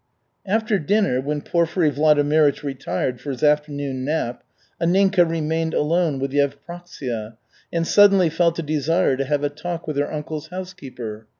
After dinner, when Porfiry Vladimirych retired for his afternoon nap, Anninka remained alone with Yevpraksia and suddenly felt a desire to have a talk with her uncle's housekeeper.